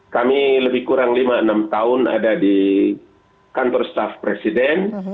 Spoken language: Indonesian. kami lebih kurang lima enam tahun ada di kantor staff presiden